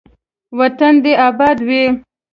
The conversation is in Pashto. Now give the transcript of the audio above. وطن دې اباد وي.